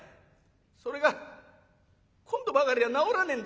それが今度ばかりは治らねえんだ。